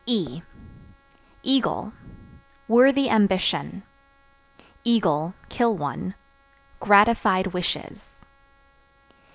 E Eagle Worthy ambition; (kill one) gratified wishes.